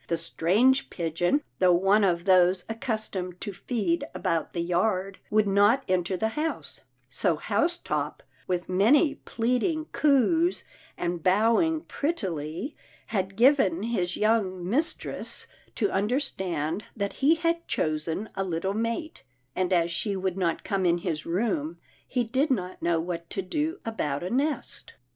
The strange pigeon, though one of those accustomed to feed about the yard, would not enter the house, so Housetop, with many plead ing coos, and bowing prettily, had given his young mistress to understand that he had chosen a little mate, and as she would not come in his room he did not know what to do about a nest.